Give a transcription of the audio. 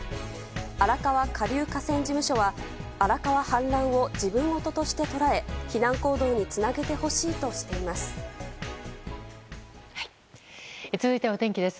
荒川下流河川事務所は荒川氾濫を自分ごととして捉え避難行動につなげてほしいとしています。